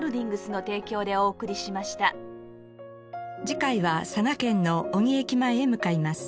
次回は佐賀県の小城駅前へ向かいます。